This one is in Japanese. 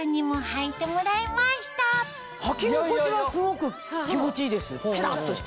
はき心地はすごく気持ちいいですピタっとして。